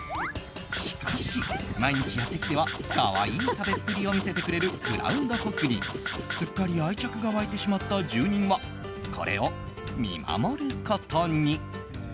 しかし毎日やってきては可愛い食べっぷりを見せてくれるグラウンドホッグに、すっかり愛着が湧いてしまった住人はこれを見守ることに。